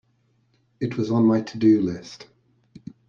It was on my to-do list.